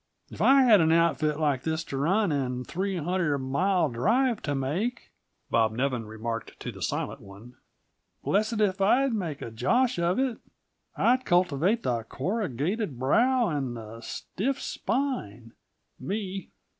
"If I had an outfit like this to run, and a three hundred mile drive to make," Bob Nevin remarked to the Silent One, "blessed if I'd make a josh of it! I'd cultivate the corrugated brow and the stiff spine me!"